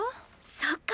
そっか。